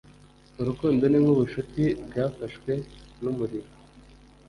Urukundo ni nk'ubucuti bwafashwe n'umuriro.